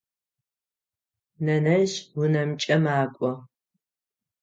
Нэнэжъ унэмкӏэ макӏо.